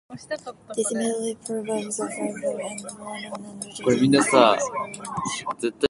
This immediately provokes a rivalry, and Ronon and Teal'c engage in a sparring match.